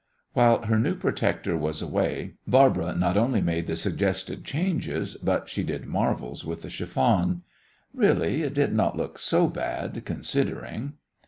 While her new protector was away, Barbara not only made the suggested changes, but she did marvels with the chiffon. Really, it did not look so bad, considering.